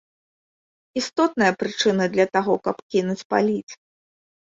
Істотная прычына для таго, каб кінуць паліць!